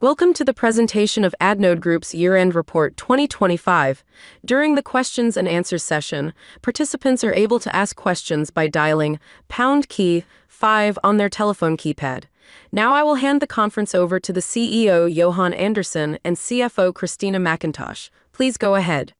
Welcome to the Presentation of Addnode Group's Year-End Report 2025. During the questions and answers session, participants are able to ask questions by dialing pound key five on their telephone keypad. Now, I will hand the conference over to the CEO, Johan Andersson, and CFO, Kristina Mackintosh. Please go ahead.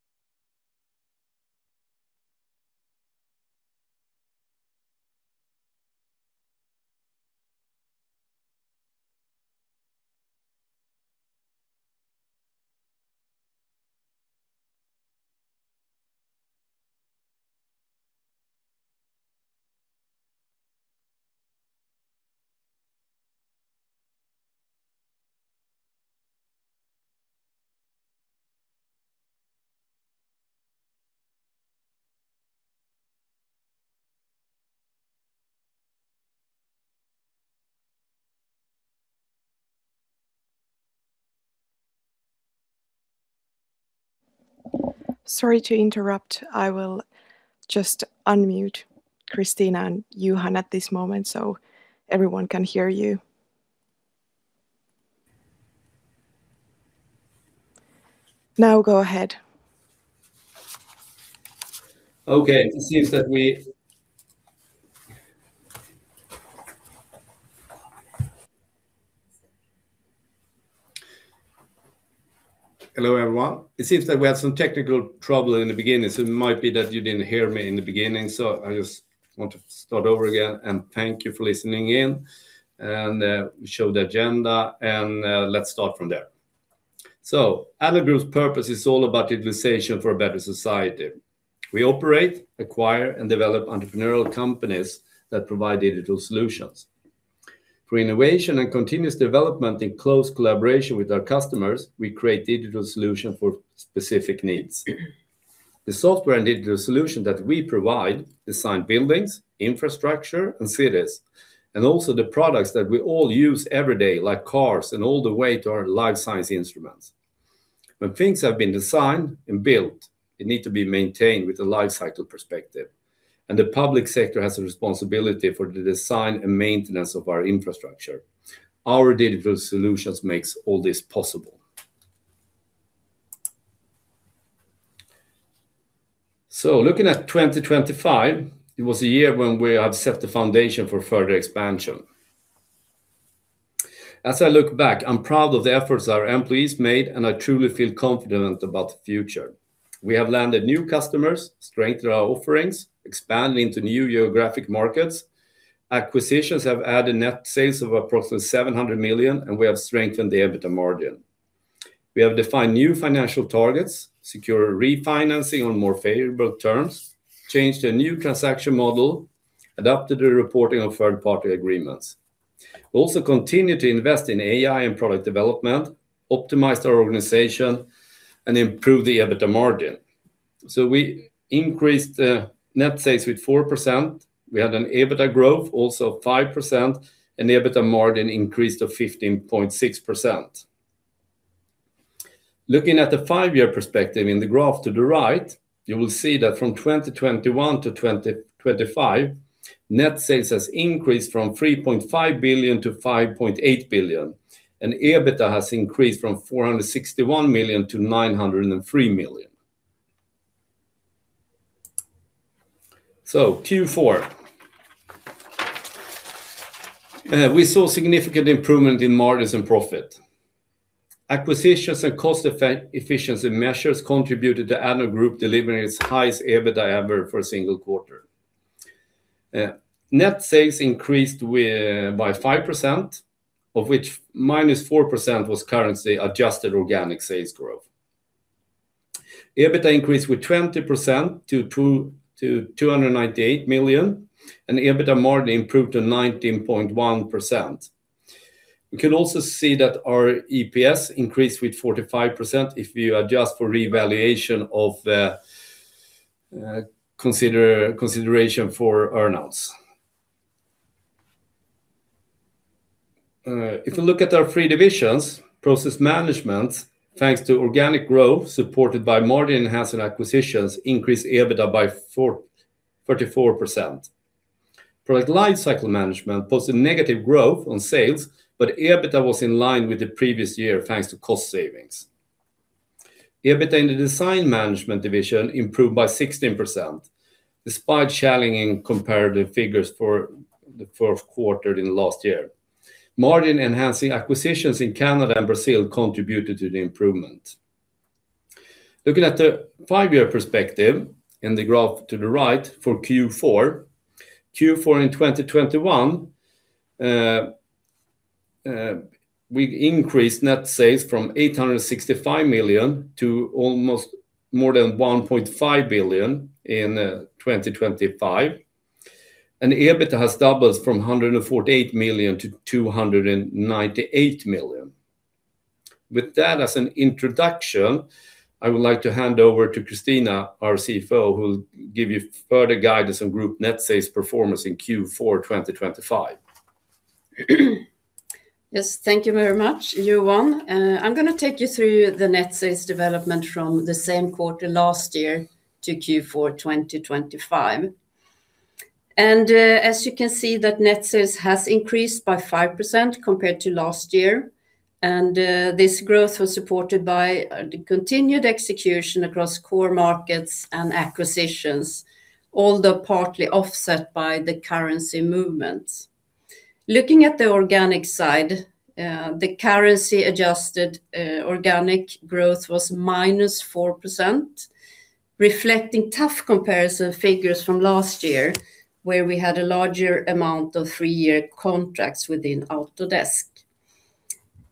Sorry to interrupt. I will just unmute Kristina and Johan at this moment, so everyone can hear you. Now, go ahead. Hello, everyone. It seems that we had some technical trouble in the beginning, so it might be that you didn't hear me in the beginning. So I just want to start over again, and thank you for listening in, and show the agenda, and let's start from there. So Addnode Group's purpose is all about utilization for a better society. We operate, acquire, and develop entrepreneurial companies that provide digital solutions. For innovation and continuous development in close collaboration with our customers, we create digital solution for specific needs. The software and digital solution that we provide design buildings, infrastructure, and cities, and also the products that we all use every day, like cars, and all the way to our life science instruments. When things have been designed and built, they need to be maintained with a life cycle perspective, and the public sector has a responsibility for the design and maintenance of our infrastructure. Our digital solutions makes all this possible. So looking at 2025, it was a year when we have set the foundation for further expansion. As I look back, I'm proud of the efforts our employees made, and I truly feel confident about the future. We have landed new customers, strengthened our offerings, expanded into new geographic markets. Acquisitions have added net sales of approximately 700 million, and we have strengthened the EBITDA margin. We have defined new financial targets, secure refinancing on more favorable terms, changed a new transaction model, adapted a reporting of third-party agreements. We also continued to invest in AI and product development, optimized our organization, and improved the EBITDA margin. We increased the net sales by 4%. We had an EBITDA growth, also 5%, and the EBITDA margin increased to 15.6%. Looking at the five-year perspective in the graph to the right, you will see that from 2021 to 2025, net sales has increased from 3.5 billion to 5.8 billion, and EBITDA has increased from 461 million to 903 million. Q4, we saw significant improvement in margins and profit. Acquisitions and cost efficiency measures contributed to Addnode Group delivering its highest EBITDA ever for a single quarter. Net sales increased by 5%, of which -4% was currency-adjusted organic sales growth. EBITDA increased by 20% to 298 million, and EBITDA margin improved to 19.1%. We can also see that our EPS increased with 45% if you adjust for revaluation of consideration for earnouts. If you look at our three divisions, Process Management, thanks to organic growth, supported by margin-enhancing acquisitions, increased EBITDA by 44%. Product Lifecycle Management posted negative growth on sales, but EBITDA was in line with the previous year, thanks to cost savings. EBITDA in the Design Management division improved by 16%, despite challenging comparative figures for the fourth quarter in last year. Margin-enhancing acquisitions in Canada and Brazil contributed to the improvement. Looking at the five-year perspective in the graph to the right, for Q4, Q4 in 2021, we increased net sales from 865 million to almost more than 1.5 billion in 2025, and EBITDA has doubled from 148 million to 298 million. With that as an introduction, I would like to hand over to Kristina, our CFO, who will give you further guidance on group net sales performance in Q4 2025. Yes, thank you very much, Johan. I'm going to take you through the net sales development from the same quarter last year to Q4, 2025. As you can see, that net sales has increased by 5% compared to last year, and this growth was supported by the continued execution across core markets and acquisitions, although partly offset by the currency movements. Looking at the organic side, the currency-adjusted organic growth was -4%, reflecting tough comparison figures from last year, where we had a larger amount of three-year contracts within Autodesk.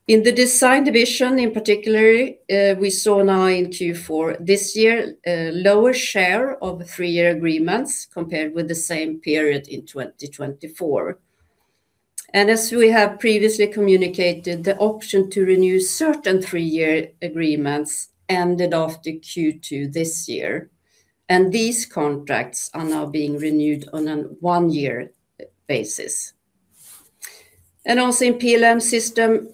In the Design division, in particular, we saw now in Q4 this year, a lower share of three-year agreements compared with the same period in 2024. As we have previously communicated, the option to renew certain three-year agreements ended after Q2 this year, and these contracts are now being renewed on a one-year basis. Also in PLM system,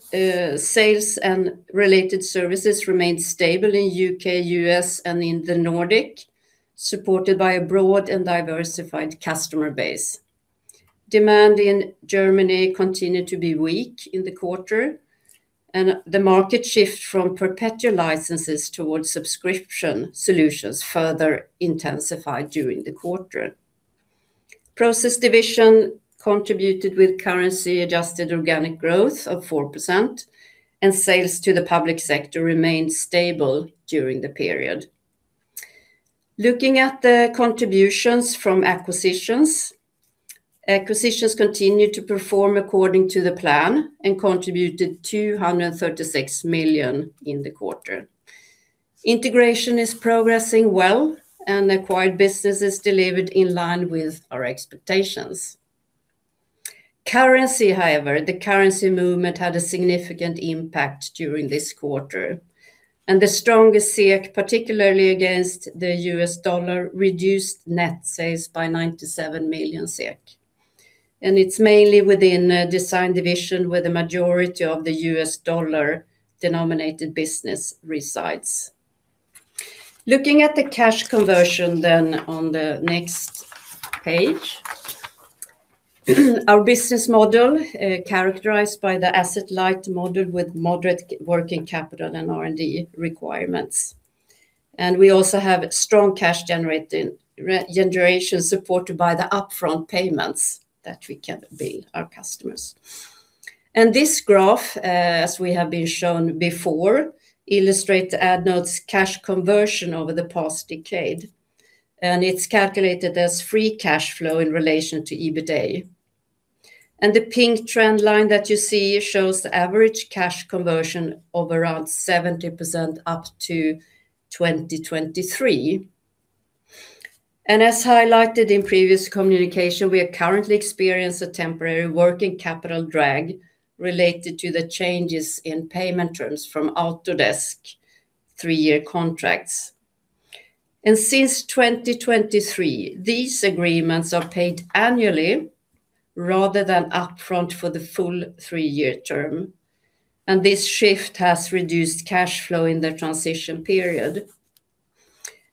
sales and related services remained stable in U.K., U.S., and in the Nordics, supported by a broad and diversified customer base. Demand in Germany continued to be weak in the quarter, and the market shift from perpetual licenses towards subscription solutions further intensified during the quarter. Process division contributed with currency-adjusted organic growth of 4%, and sales to the public sector remained stable during the period. Looking at the contributions from acquisitions, acquisitions continued to perform according to the plan and contributed 236 million in the quarter. Integration is progressing well, and acquired businesses delivered in line with our expectations. Currency, however, the currency movement had a significant impact during this quarter, and the strongest SEK, particularly against the U.S. dollar, reduced net sales by 97 million SEK. It's mainly within the Design division, where the majority of the U.S. dollar-denominated business resides. Looking at the cash conversion then on the next page, our business model, characterized by the asset-light model with moderate working capital and R&D requirements. We also have strong cash generation, supported by the upfront payments that we can bill our customers. This graph, as we have been shown before, illustrates Addnode's cash conversion over the past decade, and it's calculated as free cash flow in relation to EBITA. The pink trend line that you see shows the average cash conversion of around 70% up to 2023. As highlighted in previous communication, we are currently experiencing a temporary working capital drag related to the changes in payment terms from Autodesk three-year contracts. Since 2023, these agreements are paid annually rather than upfront for the full three-year term, and this shift has reduced cash flow in the transition period.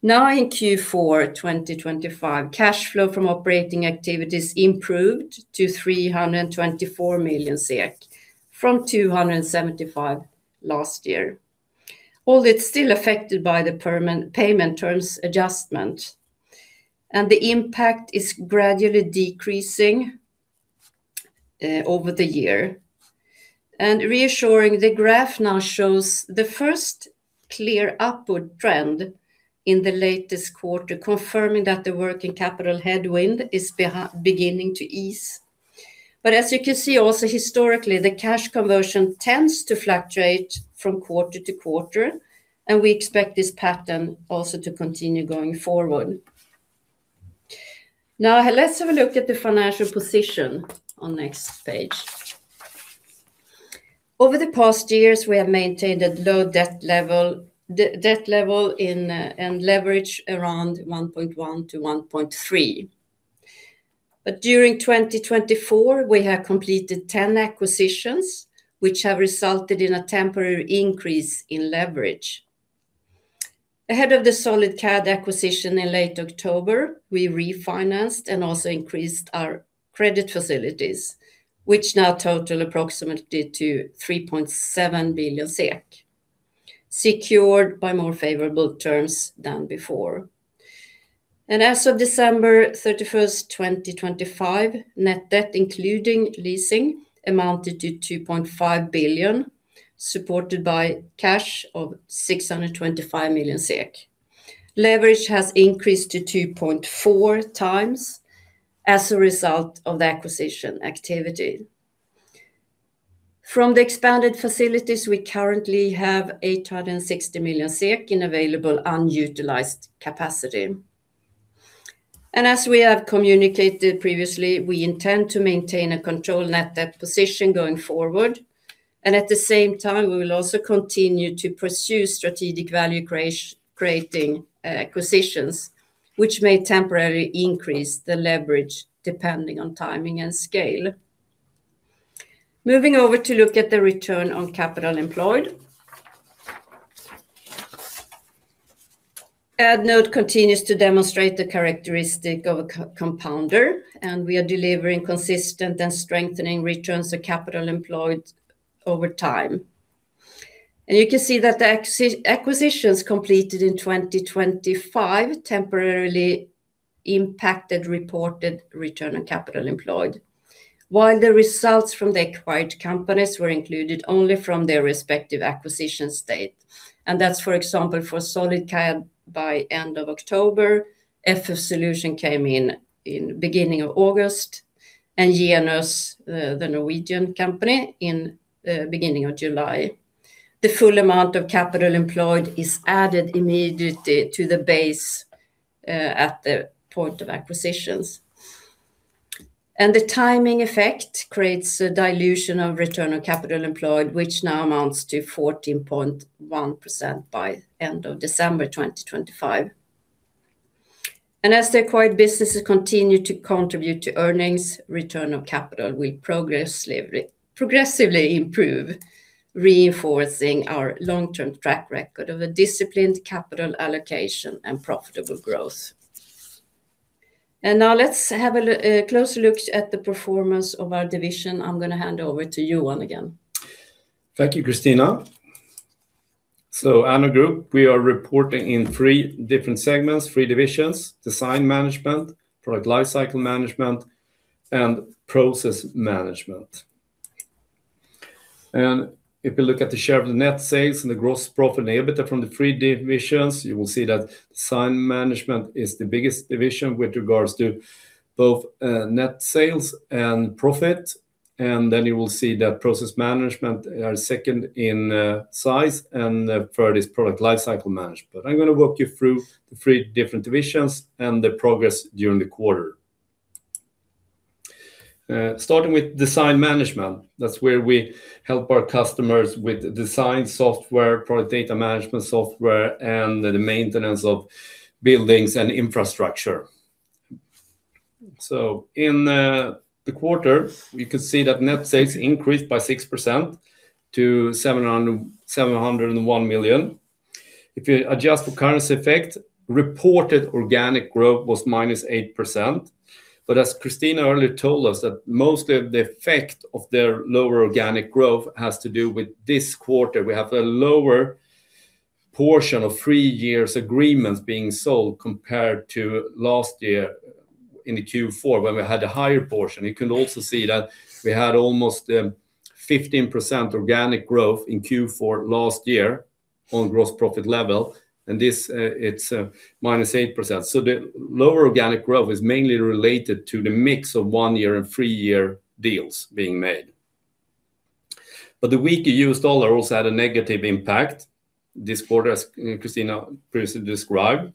Now, in Q4 2025, cash flow from operating activities improved to 324 million, from 275 million last year, although it's still affected by the payment terms adjustment, and the impact is gradually decreasing over the year. Reassuring, the graph now shows the first clear upward trend in the latest quarter, confirming that the working capital headwind is beginning to ease. But as you can see, also historically, the cash conversion tends to fluctuate from quarter to quarter, and we expect this pattern also to continue going forward. Now, let's have a look at the financial position on next page. Over the past years, we have maintained a low debt level and leverage around 1.1x-1.3x. But during 2024, we have completed 10 acquisitions, which have resulted in a temporary increase in leverage. Ahead of the SolidCAD acquisition in late October, we refinanced and also increased our credit facilities, which now total approximately 3.7 billion SEK, secured by more favorable terms than before. As of December 31, 2025, net debt, including leasing, amounted to 2.5 billion, supported by cash of 625 million SEK. Leverage has increased to 2.4x as a result of the acquisition activity. From the expanded facilities, we currently have 860 million SEK in available unutilized capacity. As we have communicated previously, we intend to maintain a controlled net debt position going forward, and at the same time, we will also continue to pursue strategic value creating acquisitions, which may temporarily increase the leverage, depending on timing and scale. Moving over to look at the return on capital employed. Addnode continues to demonstrate the characteristic of a co-compounder, and we are delivering consistent and strengthening returns on capital employed over time. You can see that the acquisitions completed in 2025 temporarily impacted reported return on capital employed, while the results from the acquired companies were included only from their respective acquisition date. That's, for example, for SolidCAD by end of October, FF Solution came in in beginning of August, and Genus, the Norwegian company, in beginning of July. The full amount of capital employed is added immediately to the base at the point of acquisitions. The timing effect creates a dilution of return on capital employed, which now amounts to 14.1% by end of December 2025. As the acquired businesses continue to contribute to earnings, return on capital will progressively improve, reinforcing our long-term track record of a disciplined capital allocation and profitable growth. Now let's have a closer look at the performance of our division. I'm going to hand over to you, Johan, again. Thank you, Kristina. So, Addnode Group, we are reporting in three different segments, three divisions: Design Management, Product Lifecycle Management, and Process Management. If you look at the share of the net sales and the gross profit and EBITDA from the three divisions, you will see that Design Management is the biggest division with regards to both, net sales and profit. Then you will see that Process Management is second in size, and the third is Product Lifecycle Management. I'm going to walk you through the three different divisions and the progress during the quarter. Starting with Design Management, that's where we help our customers with design software, product data management software, and the maintenance of buildings and infrastructure. So in the quarter, you can see that net sales increased by 6% to 701 million. If you adjust for currency effect, reported organic growth was -8%. But as Kristina earlier told us, that most of the effect of their lower organic growth has to do with this quarter. We have a lower portion of three-year agreements being sold compared to last year in the Q4, when we had a higher portion. You can also see that we had almost 15% organic growth in Q4 last year on gross profit level, and this -8%. So the lower organic growth is mainly related to the mix of one-year and three-year deals being made. But the weaker U.S. dollar also had a negative impact this quarter, as Kristina previously described.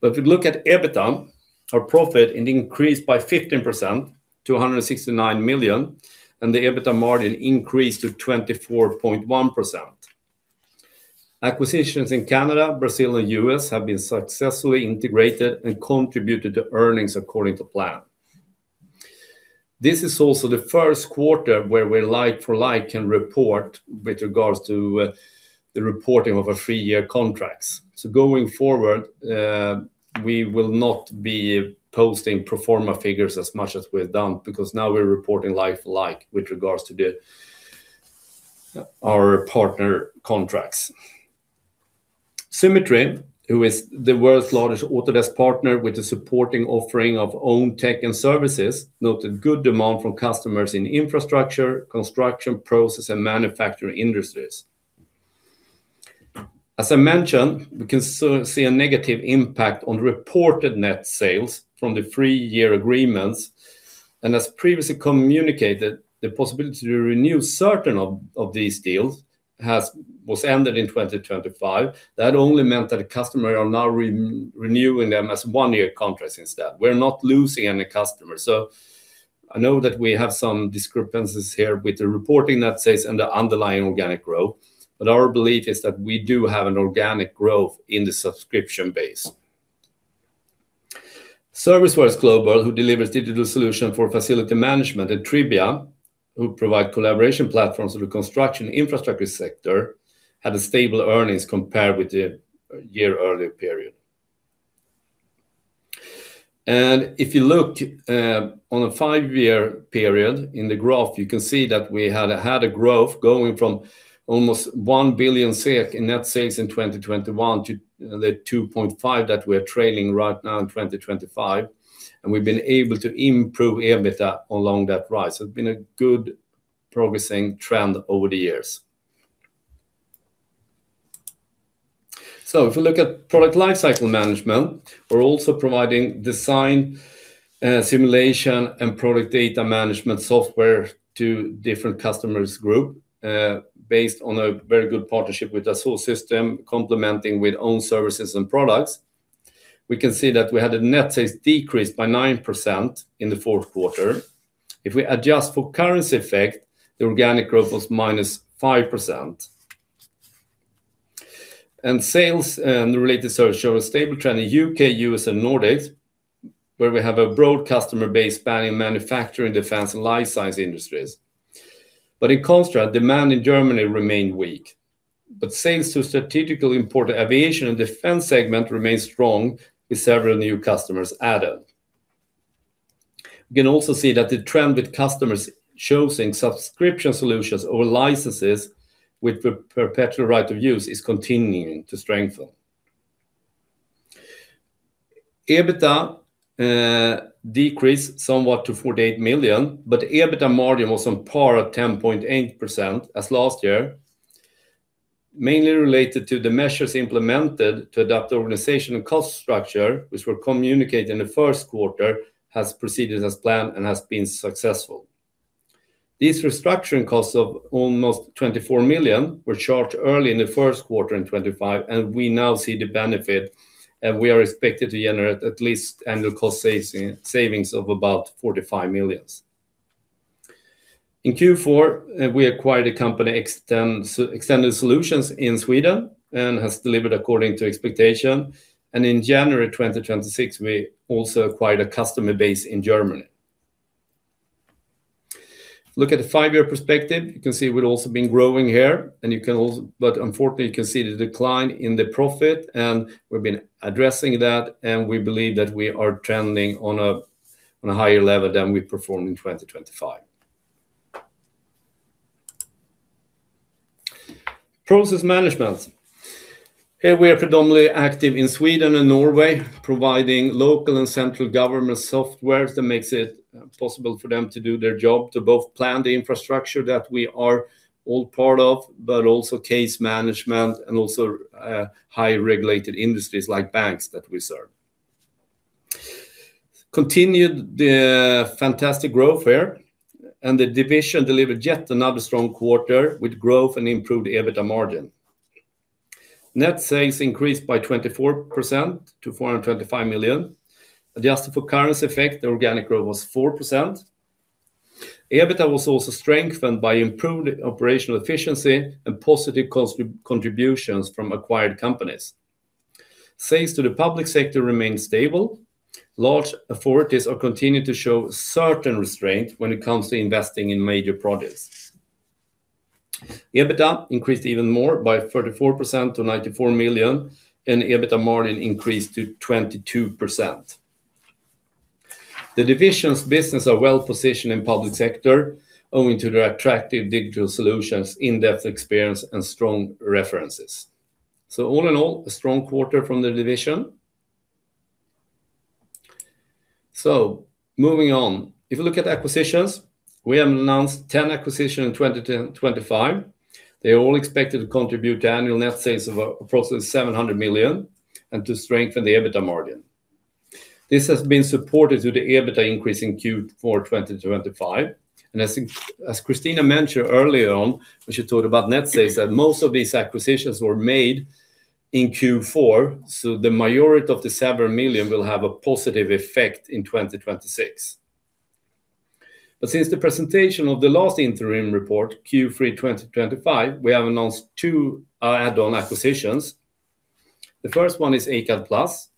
But if you look at EBITDA, our profit, it increased by 15% to 169 million, and the EBITDA margin increased to 24.1%. Acquisitions in Canada, Brazil, and U.S. have been successfully integrated and contributed to earnings according to plan. This is also the first quarter where we like for like can report with regards to the reporting of a three-year contracts. So going forward, we will not be posting pro forma figures as much as we've done, because now we're reporting like for like with regards to the our partner contracts. Symetri, who is the world's largest Autodesk partner with a supporting offering of own tech and services, noted good demand from customers in infrastructure, construction, process, and manufacturing industries. As I mentioned, we can also see a negative impact on reported net sales from the three-year agreements, and as previously communicated, the possibility to renew certain of these deals was ended in 2025. That only meant that the customers are now renewing them as one-year contracts instead. We're not losing any customers. So I know that we have some discrepancies here with the reporting that says, and the underlying organic growth, but our belief is that we do have an organic growth in the subscription base. Service Works Global, who delivers digital solution for facility management, and Tribia, who provide collaboration platforms to the construction infrastructure sector, had a stable earnings compared with the year-earlier period. If you look on a five-year period in the graph, you can see that we had a growth going from almost 1 billion in net sales in 2021 to the 2.5 billion that we're trailing right now in 2025, and we've been able to improve EBITDA along that rise. It's been a good progressing trend over the years. If you look at product lifecycle management, we're also providing design simulation, and product data management software to different customers group based on a very good partnership with Dassault Systèmes, complementing with own services and products. We can see that we had a net sales decrease by 9% in the fourth quarter. If we adjust for currency effect, the organic growth was -5%. Sales and related service show a stable trend in U.K., U.S., and Nordics, where we have a broad customer base spanning manufacturing, defense, and life science industries--In construction, demand in Germany remained weak. Sales to strategically important aviation and defense segment remained strong, with several new customers added. We can also see that the trend with customers choosing subscription solutions or licenses with the perpetual right of use is continuing to strengthen. EBITDA decreased somewhat to 48 million, but EBITDA margin was on par at 10.8% as last year, mainly related to the measures implemented to adapt the organization and cost structure, which were communicated in the first quarter, has proceeded as planned and has been successful. These restructuring costs of almost 24 million were charged early in the first quarter in 2025, and we now see the benefit, and we are expected to generate at least annual cost savings of about 45 million. In Q4, we acquired a company, Extended Solutions in Sweden, and has delivered according to expectation. And in January 2026, we also acquired a customer base in Germany. Look at the five-year perspective. You can see we've also been growing here, and you can also, but unfortunately, you can see the decline in the profit, and we've been addressing that, and we believe that we are trending on a higher level than we performed in 2025. Process management. Here, we are predominantly active in Sweden and Norway, providing local and central government softwares that makes it possible for them to do their job, to both plan the infrastructure that we are all part of, but also case management and also high-regulated industries like banks that we serve. Continued fantastic growth here, and the division delivered yet another strong quarter with growth and improved EBITDA margin. Net sales increased by 24% to 425 million. Adjusted for currency effect, the organic growth was 4%. EBITDA was also strengthened by improved operational efficiency and positive contributions from acquired companies. Sales to the public sector remained stable. Large authorities are continuing to show certain restraint when it comes to investing in major projects. EBITDA increased even more by 34% to 94 million, and EBITDA margin increased to 22%. The division's business are well-positioned in public sector, owing to their attractive digital solutions, in-depth experience, and strong references. So all in all, a strong quarter from the division. So moving on. If you look at acquisitions, we have announced 10 acquisitions in 2025. They are all expected to contribute annual net sales of approximately 700 million and to strengthen the EBITDA margin. This has been supported through the EBITDA increase in Q4 2025, and as Kristina mentioned earlier on, when she talked about net sales, that most of these acquisitions were made in Q4, so the majority of the several million will have a positive effect in 2026. But since the presentation of the last interim report, Q3 2025, we have announced two add-on acquisitions. The first one is ACAD-Plus,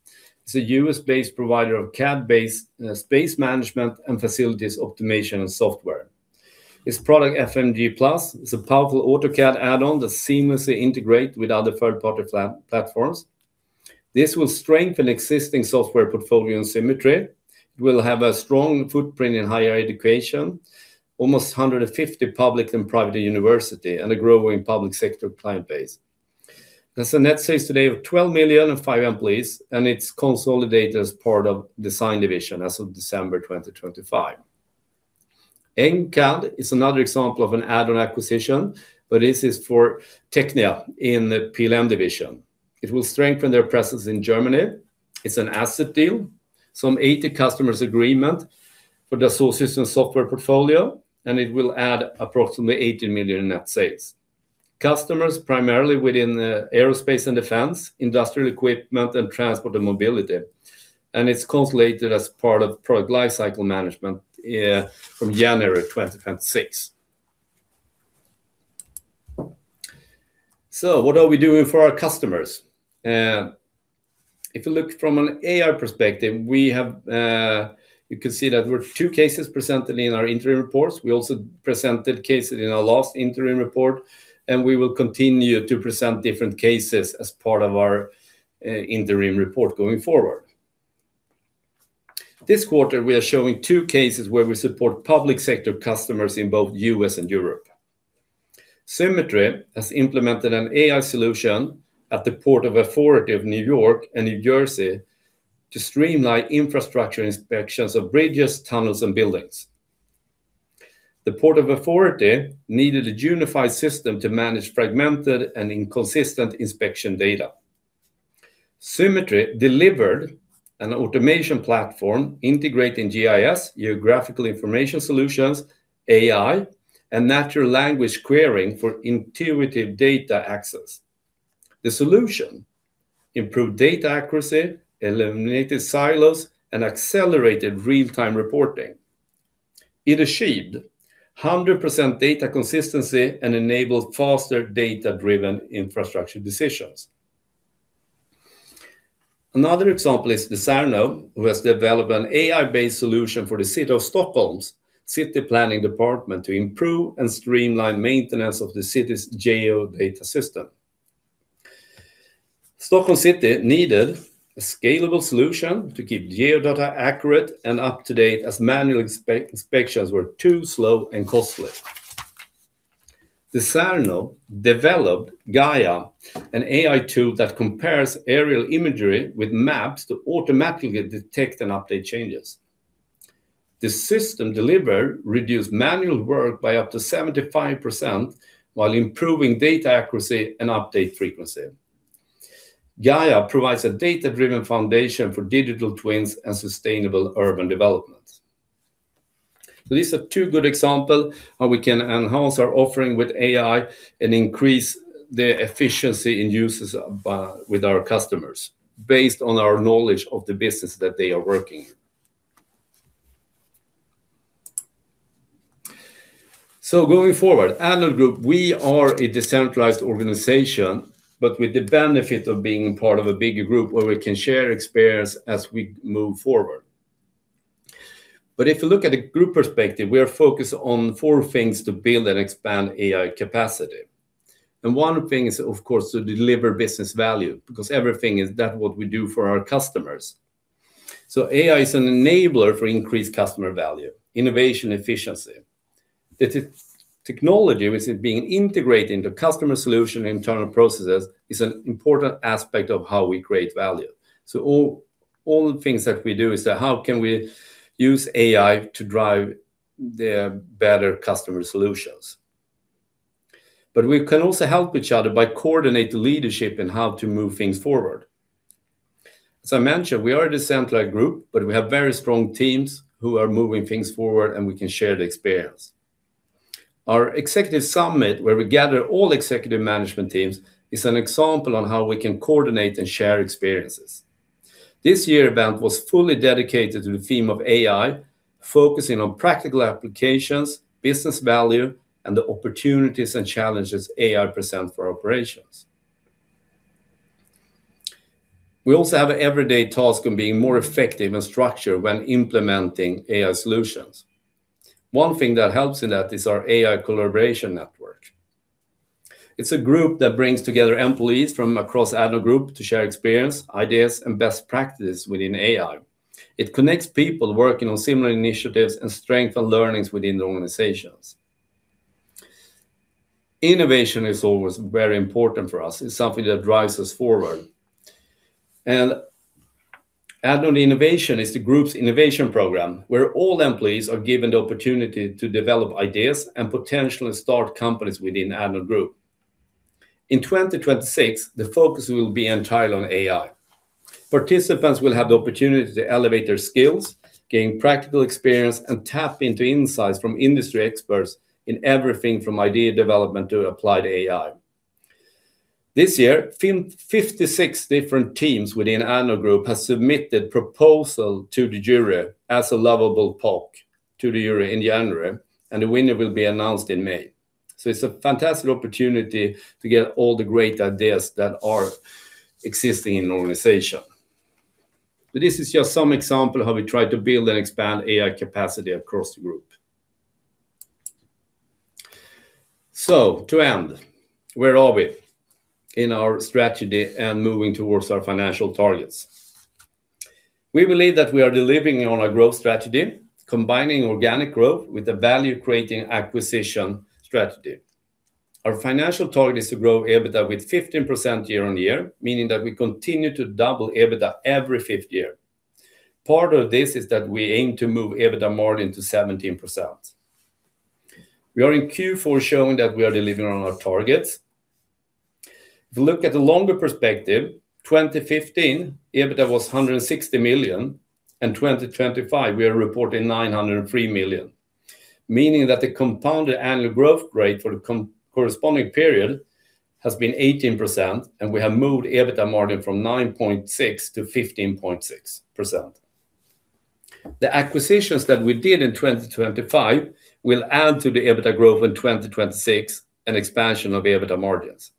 it's a U.S.-based provider of CAD-based space management and facilities optimization and software. Its product, FMG Plus, is a powerful AutoCAD add-on that seamlessly integrate with other third-party platforms. This will strengthen existing software portfolio and Symetri. It will have a strong footprint in higher education, almost 150 public and private university, and a growing public sector client base. There's net sales today of 12 million and five employees, and it's consolidated as part of Design Division as of December 2025. EngCAD is another example of an add-on acquisition, but this is for Technia in the PLM division. It will strengthen their presence in Germany. It's an asset deal, some 80 customers agreement for the associated software portfolio, and it will add approximately 18 million in net sales. Customers, primarily within the aerospace and defense, industrial equipment, and transport and mobility, and it's consolidated as part of product life cycle management from January 2026. So what are we doing for our customers? If you look from an AI perspective, we have. You can see that there were two cases presented in our interim reports. We also presented cases in our last interim report, and we will continue to present different cases as part of our interim report going forward. This quarter, we are showing two cases where we support public sector customers in both U.S. and Europe. Symetri has implemented an AI solution at the Port Authority of New York and New Jersey to streamline infrastructure inspections of bridges, tunnels, and buildings. The Port Authority needed a unified system to manage fragmented and inconsistent inspection data. Symetri delivered an automation platform integrating GIS, Geographic Information Systems, AI, and natural language querying for intuitive data access. The solution improved data accuracy, eliminated silos, and accelerated real-time reporting. It achieved 100% data consistency and enabled faster data-driven infrastructure decisions. Another example is Decerno, who has developed an AI-based solution for the City of Stockholm's city planning department to improve and streamline maintenance of the city's geodata system. The City of Stockholm needed a scalable solution to keep geodata accurate and up-to-date, as manual inspections were too slow and costly. Decerno developed GAIA, an AI tool that compares aerial imagery with maps to automatically detect and update changes. The system delivered reduced manual work by up to 75%, while improving data accuracy and update frequency. GAIA provides a data-driven foundation for digital twins and sustainable urban development. These are two good example how we can enhance our offering with AI and increase the efficiency in uses of, with our customers, based on our knowledge of the business that they are working in. So going forward, Addnode Group, we are a decentralized organization, but with the benefit of being part of a bigger group where we can share experience as we move forward. But if you look at the group perspective, we are focused on four things to build and expand AI capacity. And one thing is, of course, to deliver business value, because everything is that what we do for our customers. So AI is an enabler for increased customer value, innovation, efficiency. The technology, with it being integrated into customer solution and internal processes, is an important aspect of how we create value. So all, all the things that we do is that how can we use AI to drive the better customer solutions. But we can also help each other by coordinate the leadership in how to move things forward. As I mentioned, we are a decentralized group, but we have very strong teams who are moving things forward, and we can share the experience. Our executive summit, where we gather all executive management teams, is an example on how we can coordinate and share experiences. This year event was fully dedicated to the theme of AI, focusing on practical applications, business value, and the opportunities and challenges AI present for operations. We also have an everyday task on being more effective and structured when implementing AI solutions. One thing that helps in that is our AI collaboration network. It's a group that brings together employees from across Addnode Group to share experience, ideas, and best practices within AI. It connects people working on similar initiatives and strengthen learnings within the organizations. Innovation is always very important for us. It's something that drives us forward. And Addnode Innovation is the group's innovation program, where all employees are given the opportunity to develop ideas and potentially start companies within Addnode Group. In 2026, the focus will be entirely on AI. Participants will have the opportunity to elevate their skills, gain practical experience, and tap into insights from industry experts in everything from idea development to applied AI. This year, 56 different teams within Addnode Group have submitted proposal to the jury as a lovable POC to the jury in January, and the winner will be announced in May. So it's a fantastic opportunity to get all the great ideas that are existing in the organization. But this is just some example of how we try to build and expand AI capacity across the group. So to end, where are we in our strategy and moving towards our financial targets? We believe that we are delivering on our growth strategy, combining organic growth with a value-creating acquisition strategy. Our financial target is to grow EBITDA with 15% year-over-year, meaning that we continue to double EBITDA every fifth year. Part of this is that we aim to move EBITDA margin to 17%. We are in Q4 showing that we are delivering on our targets. If you look at the longer perspective, 2015, EBITDA was 160 million, and 2025, we are reporting 903 million, meaning that the compounded annual growth rate for the corresponding period has been 18%, and we have moved EBITDA margin from 9.6% to 15.6%. The acquisitions that we did in 2025 will add to the EBITDA growth in 2026, an expansion of EBITDA margins.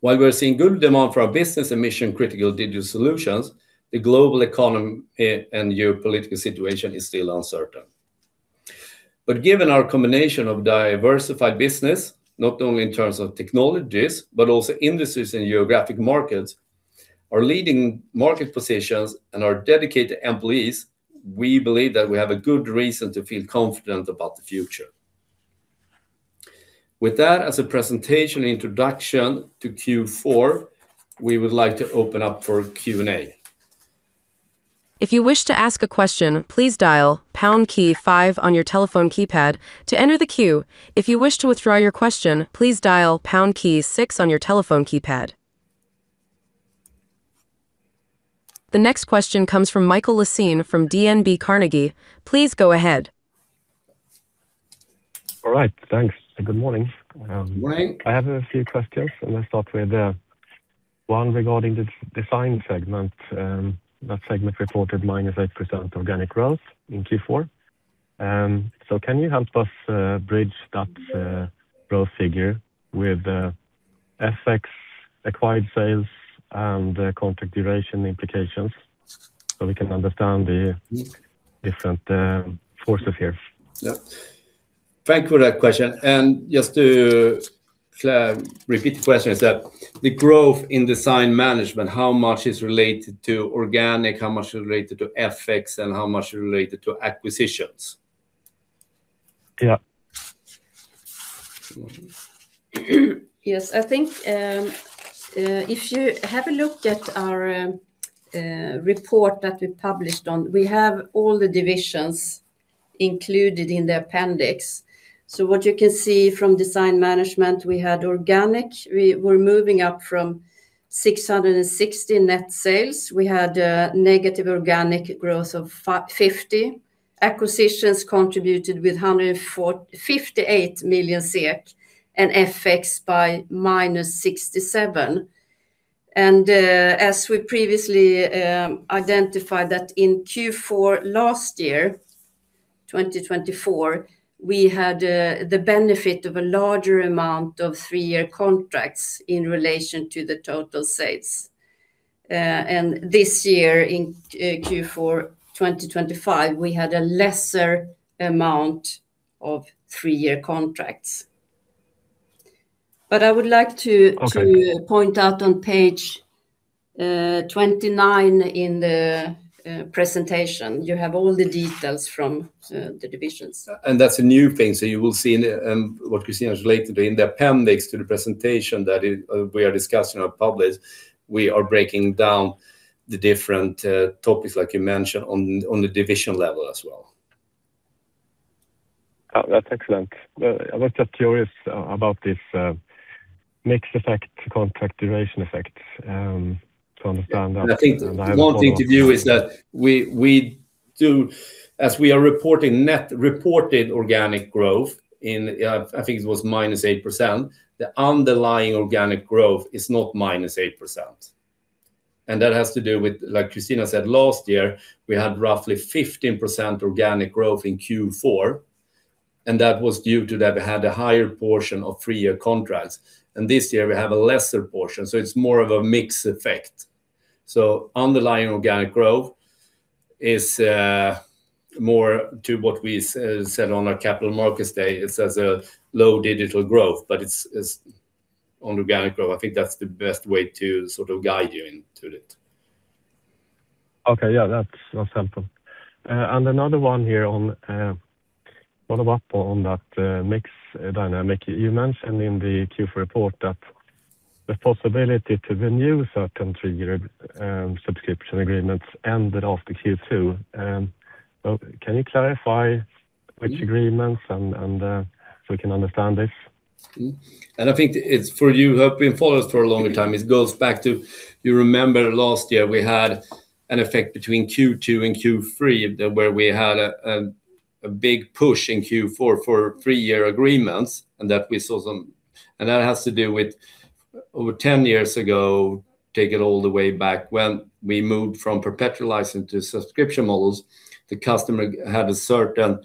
While we're seeing good demand for our business and mission-critical digital solutions, the global economy and geopolitical situation is still uncertain. But given our combination of diversified business, not only in terms of technologies, but also industries and geographic markets, our leading market positions and our dedicated employees, we believe that we have a good reason to feel confident about the future. With that, as a presentation introduction to Q4, we would like to open up for Q&A. If you wish to ask a question, please dial pound key five on your telephone keypad to enter the queue. If you wish to withdraw your question, please dial pound key six on your telephone keypad. The next question comes from Mikael Laséen from DNB Carnegie. Please go ahead. All right. Thanks, and good morning. Good morning. I have a few questions, and let's start with one regarding the design segment. That segment reported -8% organic growth in Q4. So can you help us bridge that growth figure with FX acquired sales and contract duration implications so we can understand the different forces here? Yeah. Thank you for that question. And just to repeat the question, is that the growth in Design Management, how much is related to organic, how much is related to FX, and how much is related to acquisitions? Yeah. Yes, I think, if you have a look at our report that we published on, we have all the divisions included in the appendix. So what you can see from Design Management, we had organic. We were moving up from 660 million net sales. We had negative organic growth of 50%. Acquisitions contributed with 148 million SEK, and FX by minus 67 million. And, as we previously identified that in Q4 last year, 2024, we had the benefit of a larger amount of three-year contracts in relation to the total sales. And this year, in Q4 2025, we had a lesser amount of three-year contracts. But I would like to point out on page 29 in the presentation, you have all the details from the divisions. That's a new thing. You will see in what Kristina has related in the appendix to the presentation that is, we are discussing, we are breaking down the different topics, like you mentioned, on the division level as well. That's excellent. I was just curious about this mixed effect, contract duration effect, to understand that. I think the important thing to view is that we do. As we are reporting net reported organic growth in, I think it was -8%, the underlying organic growth is not -8%. And that has to do with, like Kristina said, last year, we had roughly 15% organic growth in Q4, and that was due to that we had a higher portion of three-year contracts. And this year we have a lesser portion, so it's more of a mixed effect. So underlying organic growth is more to what we said on our capital markets day. It was low single-digit growth, but it's on organic growth. I think that's the best way to sort of guide you into it. Okay. Yeah, that's helpful. And another one here on follow up on that, mix dynamic. You mentioned in the Q4 report that the possibility to renew certain three-year subscription agreements ended after Q2. So can you clarify which agreements and, and so we can understand this? I think it's for you who have been following us for a longer time, it goes back to. You remember last year, we had an effect between Q2 and Q3, that where we had a big push in Q4 for three-year agreements, and that has to do with over 10 years ago. Take it all the way back, when we moved from perpetual license to subscription models, the customer had a certain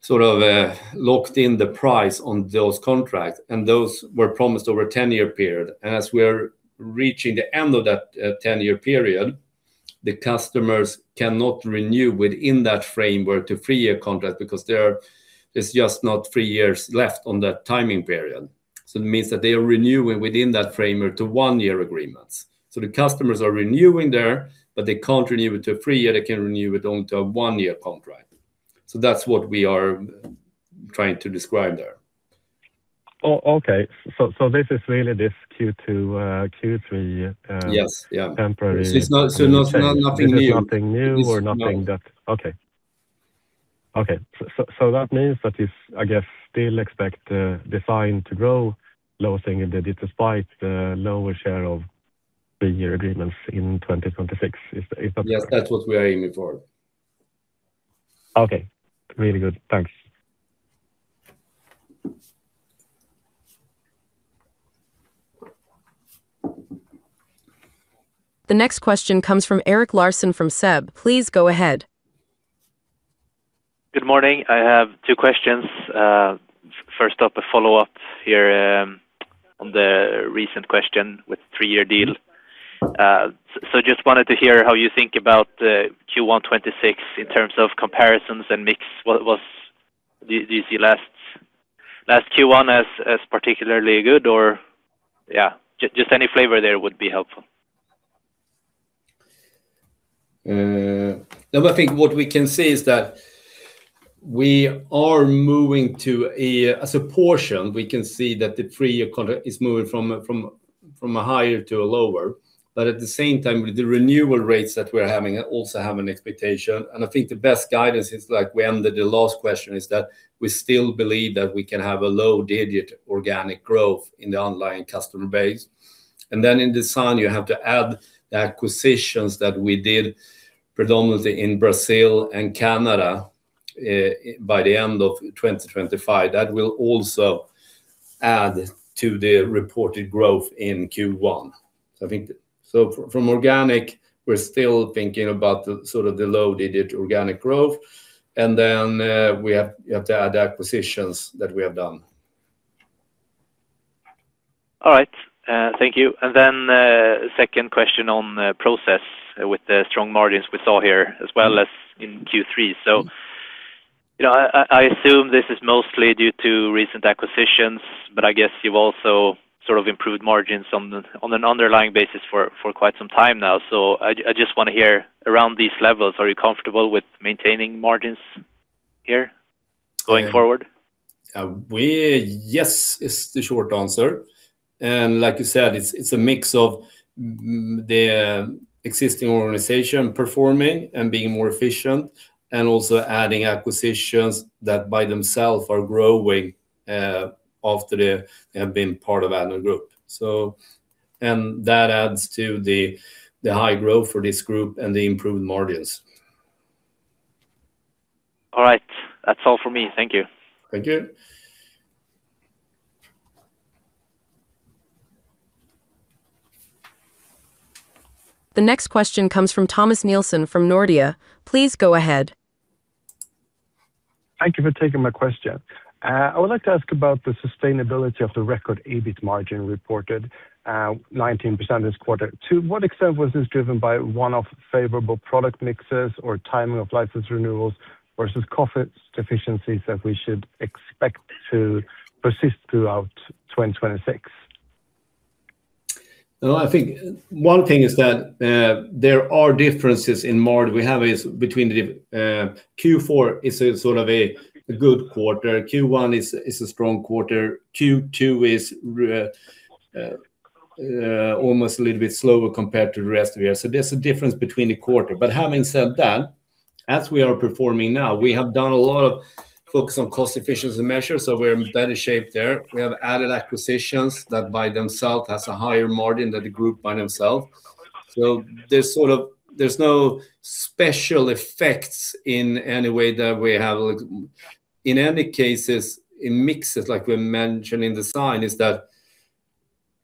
sort of locked in the price on those contracts, and those were promised over a 10-year period. And as we are reaching the end of that 10-year period, the customers cannot renew within that framework to three-year contract because there is just not three years left on that timing period. So it means that they are renewing within that framework to one-year agreements. The customers are renewing there, but they can't renew it to a three-year. They can renew it only to a one-year contract. That's what we are trying to describe there. Oh, okay. So, so this is really this Q2, Q3 temporary. Yes. It's not, so not, nothing new. It's nothing new or nothing that. Okay. So that means that if, I guess, we still expect the design to grow low double-digit in spite of the lower share of three-year agreements in 2026. Is that? Yes, that's what we are aiming for. Okay. Really good. Thanks. The next question comes from Erik Larsson from SEB. Please go ahead. Good morning. I have two questions. First up, a follow-up here, on the recent question with three-year deal. So just wanted to hear how you think about the Q1 2026 in terms of comparisons and mix. Do you see last Q1 as particularly good, or? Yeah, just any flavor there would be helpful. No, I think what we can say is that we are moving to a, as a portion, we can see that the three-year contract is moving from a higher to a lower. But at the same time, the renewal rates that we're having also have an expectation. And I think the best guidance is like we ended the last question, is that we still believe that we can have a low-digit organic growth in the online customer base. And then in design, you have to add the acquisitions that we did, predominantly in Brazil and Canada, by the end of 2025. That will also add to the reported growth in Q1. So I think, so from organic, we're still thinking about the sort of the low digit organic growth, and then, we have, you have to add the acquisitions that we have done. All right, thank you. And then, second question on Process with the strong margins we saw here, as well as in Q3. So, you know, I assume this is mostly due to recent acquisitions, but I guess you've also sort of improved margins on the, on an underlying basis for, for quite some time now. So I just want to hear around these levels, are you comfortable with maintaining margins here going forward? Yes, is the short answer, and like you said, it's, it's a mix of the existing organization performing and being more efficient, and also adding acquisitions that by themselves are growing, after they have been part of Addnode Group. So, and that adds to the high growth for this group and the improved margins. All right. That's all for me. Thank you. Thank you. The next question comes from Thomas Nilsson, from Nordea. Please go ahead. Thank you for taking my question. I would like to ask about the sustainability of the record, EBIT margin reported, 19% this quarter. To what extent was this driven by one of favorable product mixes or timing of license renewals versus cost efficiencies that we should expect to persist throughout 2026? Well, I think one thing is that there are differences in margin we have is between the Q4 is a sort of a good quarter. Q1 is a strong quarter. Q2 is almost a little bit slower compared to the rest of the year. So there's a difference between the quarter. But having said that, as we are performing now, we have done a lot of focus on cost efficiency measures, so we're in better shape there. We have added acquisitions that by themselves has a higher margin than the group by themselves. So there's sort of, there's no special effects in any way that we have. Like, in any cases, in mixes, like we mentioned in design, is that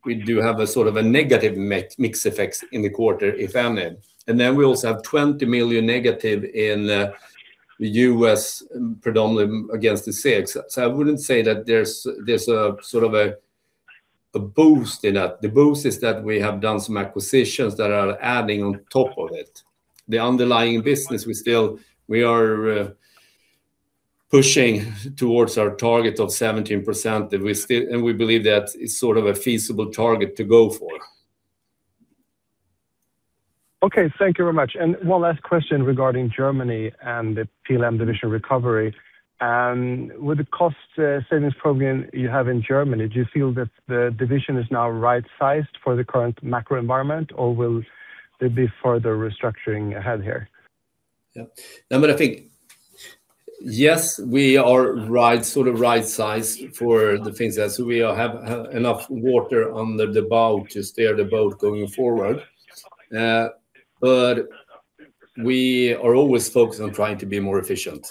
we do have a sort of a negative mix effects in the quarter, if any. Then we also have negative 20 million in the U.S., predominantly against the SEKs. So I wouldn't say that there's a sort of a boost in that. The boost is that we have done some acquisitions that are adding on top of it. The underlying business, we are pushing towards our target of 17%, that we still--and we believe that is sort of a feasible target to go for. Okay, thank you very much. One last question regarding Germany and the PLM division recovery. With the cost savings program you have in Germany, do you feel that the division is now right-sized for the current macro environment, or will there be further restructuring ahead here? Yeah. No, but I think, yes, we are right, sort of right size for the things that we have, have enough water under the bow to steer the boat going forward. But we are always focused on trying to be more efficient.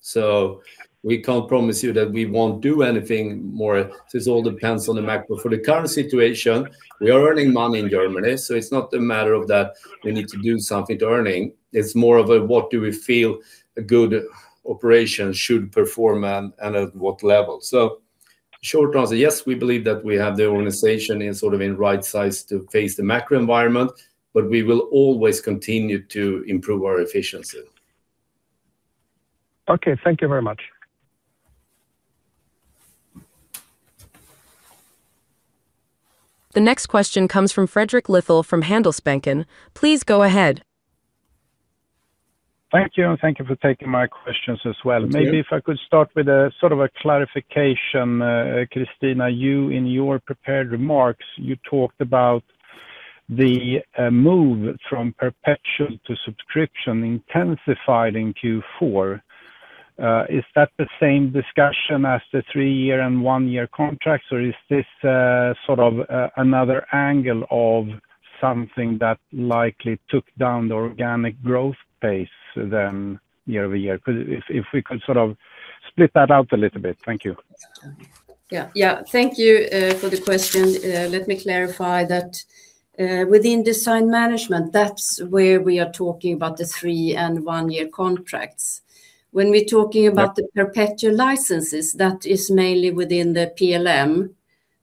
So we can't promise you that we won't do anything more. This all depends on the macro. For the current situation, we are earning money in Germany, so it's not a matter of that we need to do something to earning. It's more of a, what do we feel a good operation should perform and, and at what level? So short answer, yes, we believe that we have the organization in sort of in right size to face the macro environment, but we will always continue to improve our efficiency. Okay, thank you very much. The next question comes from Fredrik Lithell, from Handelsbanken. Please go ahead. Thank you, and thank you for taking my questions as well. Thank you. Maybe if I could start with a sort of a clarification, Kristina, you in your prepared remarks, you talked about the move from perpetual to subscription intensified in Q4. Is that the same discussion as the three-year and one-year contracts, or is this sort of another angle of something that likely took down the organic growth pace year over year? Because if, if we could sort of split that out a little bit. Thank you. Yeah. Yeah, thank you for the question. Let me clarify that, within Design Management, that's where we are talking about the three- and one-year contracts. When we're talking about the perpetual licenses, that is mainly within the PLM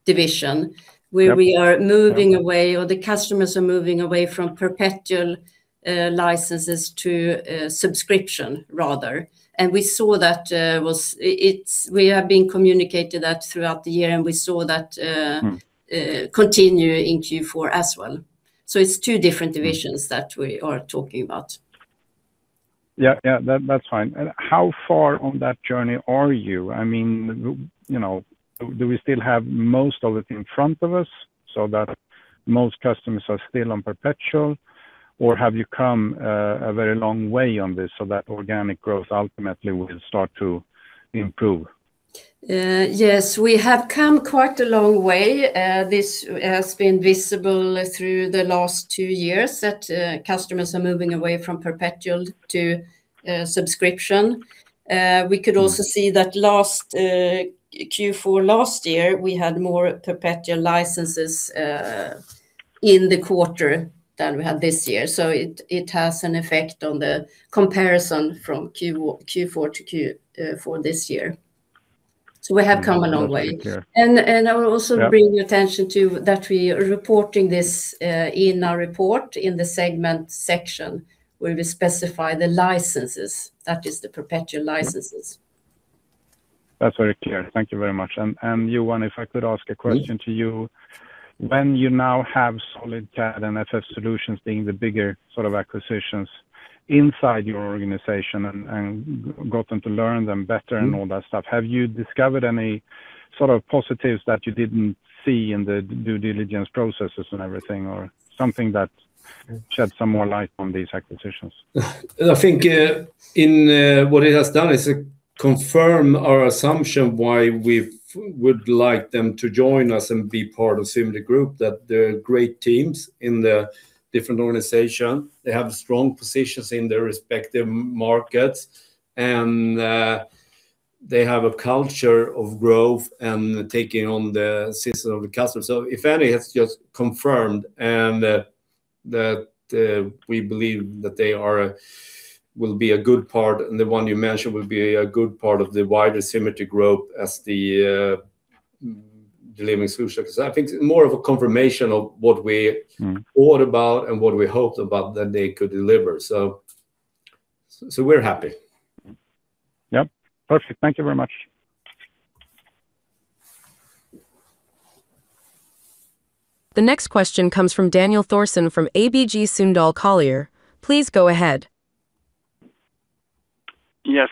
division where we are moving away, or the customers are moving away from perpetual licenses to subscription rather. And we saw that was, it's we have been communicating that throughout the year, and we saw that continue in Q4 as well. So it's two different divisions that we are talking about. Yeah, yeah, that's fine. And how far on that journey are you? I mean, you know, do we still have most of it in front of us, so that most customers are still on perpetual, or have you come a very long way on this so that organic growth ultimately will start to improve? Yes, we have come quite a long way. This has been visible through the last two years, that customers are moving away from perpetual to subscription. We could also see that last Q4 last year, we had more perpetual licenses in the quarter than we had this year. So it has an effect on the comparison from Q4 to Q4 this year. So we have come a long way. Yeah. And I will also bring your attention to that we are reporting this in our report, in the segment section, where we specify the licenses, that is the perpetual licenses. That's very clear. Thank you very much. And, Johan, if I could ask a question to you. When you now have SolidCAD and FF Solutions being the bigger sort of acquisitions inside your organization and gotten to learn them better and all that stuff, have you discovered any sort of positives that you didn't see in the due diligence processes and everything, or something that shed some more light on these acquisitions? I think, in, what it has done is, confirm our assumption why we would like them to join us and be part of Symetri Group, that they're great teams in the different organization. They have strong positions in their respective markets, and, they have a culture of growth and taking on the system of the customer. So if any, it's just confirmed, and, that, we believe that they are, will be a good part, and the one you mentioned will be a good part of the wider Symetri Group as the, delivering solutions. I think more of a confirmation of what we all about and what we hoped about that they could deliver. So, so we're happy. Yep. Perfect. Thank you very much. The next question comes from Daniel Thorsson, from ABG Sundal Collier. Please go ahead. Yes,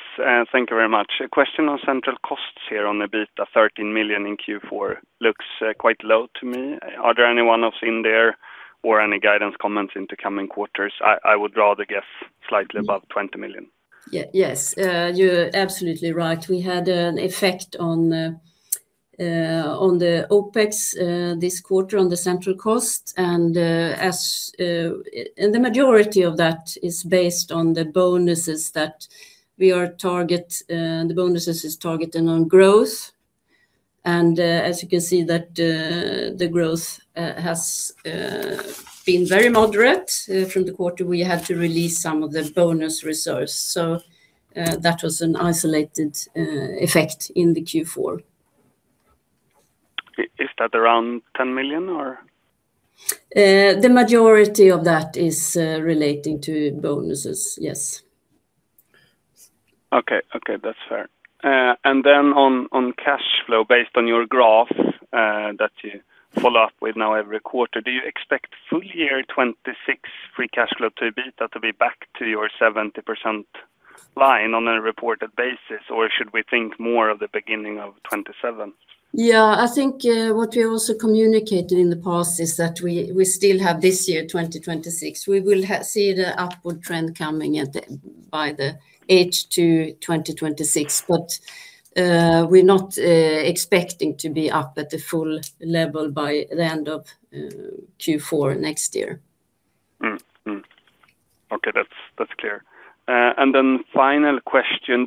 thank you very much. A question on central costs here on EBITDA 13 million in Q4. Looks quite low to me. Are there any one-offs in there or any guidance comments in the coming quarters? I would rather guess slightly above 20 million. Yeah. Yes, you're absolutely right. We had an effect on the OpEx this quarter, on the central cost. And the majority of that is based on the bonuses that we are target, the bonuses is targeted on growth. And, as you can see, that, the growth has been very moderate from the quarter. We had to release some of the bonus reserves, so, that was an isolated effect in the Q4. Is that around 10 million, or? The majority of that is relating to bonuses, yes. Okay, that's fair. And then on cash flow, based on your graph that you follow up with now every quarter, do you expect full year 2026 free cash flow to EBITDA to be back to your 70% line on a reported basis, or should we think more of the beginning of 2027? Yeah. I think what we also communicated in the past is that we still have this year, 2026. We will see the upward trend coming at the, by the H2 2026, but we're not expecting to be up at the full level by the end of Q4 next year. Okay, that's clear. And then final question,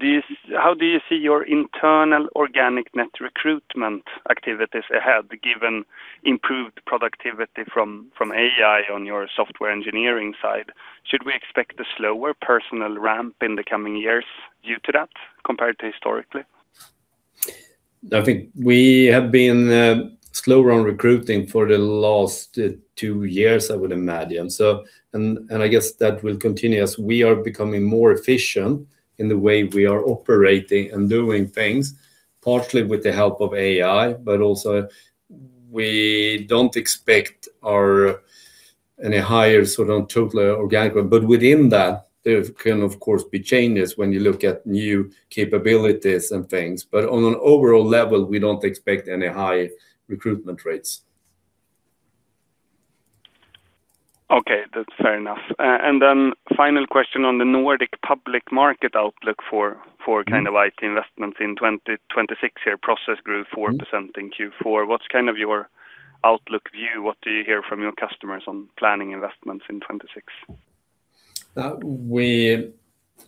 how do you see your internal organic net recruitment activities ahead, given improved productivity from, from AI on your software engineering side? Should we expect a slower personnel ramp in the coming years due to that, compared to historically? I think we have been slower on recruiting for the last two years, I would imagine. So, I guess that will continue as we are becoming more efficient in the way we are operating and doing things, partly with the help of AI, but also we don't expect our, any higher sort of total organic. But within that, there can, of course, be changes when you look at new capabilities and things, but on an overall level, we don't expect any high recruitment rates. Okay, that's fair enough. And then final question on the Nordic public market outlook for—kind of IT investments in 2026 here. Process grew 4% in Q4. What's kind of your outlook view? What do you hear from your customers on planning investments in 2026?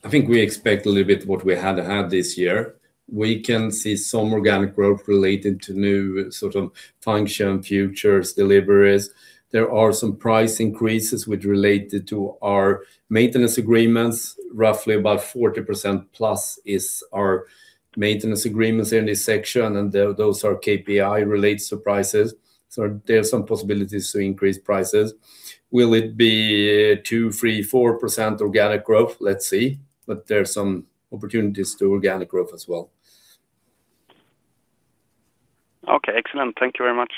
I think we expect a little bit what we had had this year. We can see some organic growth related to new sort of function, futures, deliveries. There are some price increases which related to our maintenance agreements. Roughly about +40% is our maintenance agreements in this section, and then those are KPI-related prices. So there are some possibilities to increase prices. Will it be 2%, 3%, 4% organic growth? Let's see, but there are some opportunities to organic growth as well. Okay, excellent. Thank you very much.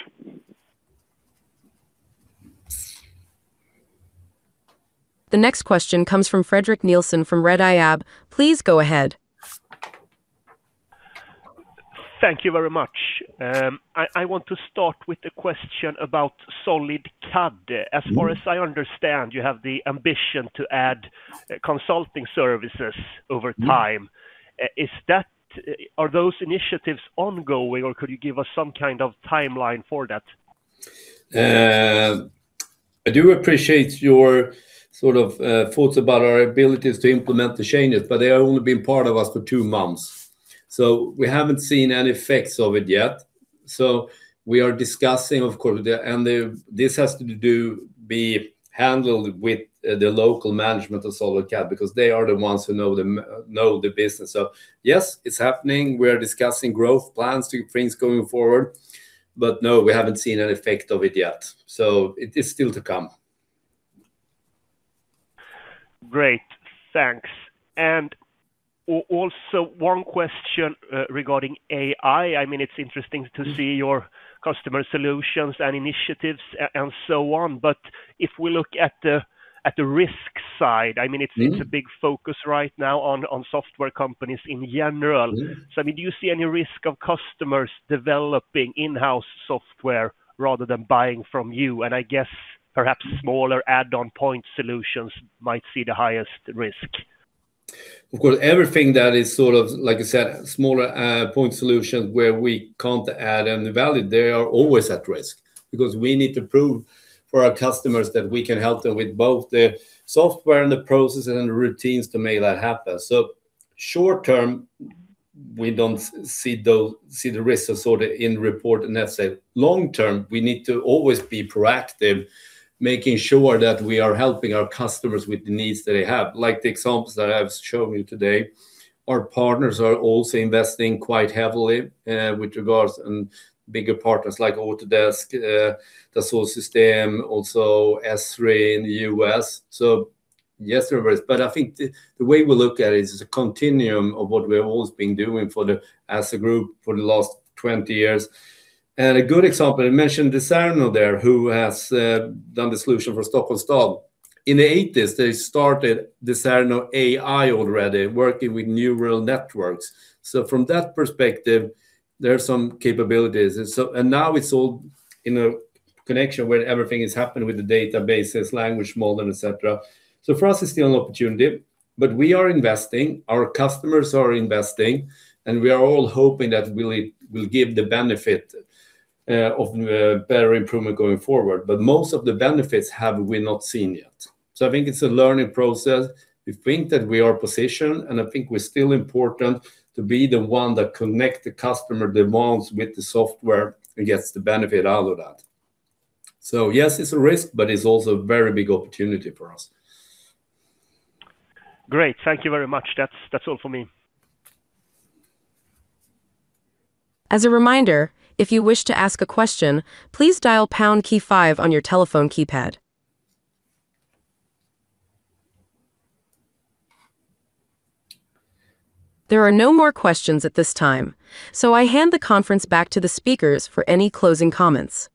The next question comes from Fredrik Nilsson from Redeye AB. Please go ahead. Thank you very much. I want to start with a question about SolidCAD. As far as I understand, you have the ambition to add consulting services over time. Are those initiatives ongoing, or could you give us some kind of timeline for that? I do appreciate your sort of thoughts about our abilities to implement the changes, but they have only been part of us for two months. So we haven't seen any effects of it yet, so we are discussing, of course, this has to be handled with the local management of SolidCAD, because they are the ones who know the business. So yes, it's happening. We are discussing growth plans to things going forward, but no, we haven't seen an effect of it yet. So it is still to come. Great, thanks. And also, one question regarding AI. I mean, it's interesting to see your customer solutions and initiatives and so on, but if we look at the, at the risk side, I mean, it's a big focus right now on, on software companies in general. So, I mean, do you see any risk of customers developing in-house software rather than buying from you? And I guess perhaps smaller add-on point solutions might see the highest risk. Of course, everything that is sort of, like I said, smaller point solution, where we can't add any value, they are always at risk. Because we need to prove for our customers that we can help them with both the software and the process and the routines to make that happen. So short term, we don't see the risks are sort of in report, and that's it. Long term, we need to always be proactive, making sure that we are helping our customers with the needs that they have, like the examples that I've shown you today. Our partners are also investing quite heavily with regards, and bigger partners like Autodesk, Dassault Systèmes, also Esri in the U.S. So yes, there is, but I think the way we look at it is a continuum of what we've always been doing for, as a group for the last 20 years. And a good example, I mentioned the Decerno there, who has done the solution for Stockholms stad. In the 1980s, they started the Decerno AI already, working with neural networks. So from that perspective, there are some capabilities. And so, and now it's all in a connection where everything is happening with the databases, language model, et cetera. So for us, it's still an opportunity, but we are investing, our customers are investing, and we are all hoping that it will give the benefit of better improvement going forward. But most of the benefits have we not seen yet. So I think it's a learning process. We think that we are positioned, and I think we're still important to be the one that connect the customer demands with the software and gets the benefit out of that. So yes, it's a risk, but it's also a very big opportunity for us. Great. Thank you very much. That's, that's all for me. As a reminder, if you wish to ask a question, please dial pound key five on your telephone keypad. There are no more questions at this time, so I hand the conference back to the speakers for any closing comments.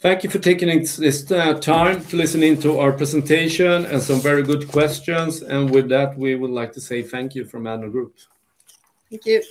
Thank you for taking this time to listen in to our presentation and some very good questions. With that, we would like to say thank you from Addnode Group. Thank you.